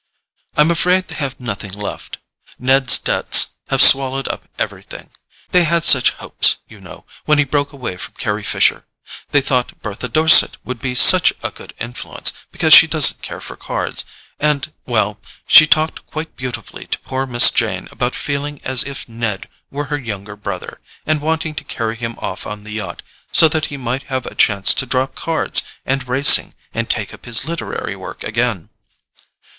"I'm afraid they have nothing left: Ned's debts have swallowed up everything. They had such hopes, you know, when he broke away from Carry Fisher; they thought Bertha Dorset would be such a good influence, because she doesn't care for cards, and—well, she talked quite beautifully to poor Miss Jane about feeling as if Ned were her younger brother, and wanting to carry him off on the yacht, so that he might have a chance to drop cards and racing, and take up his literary work again."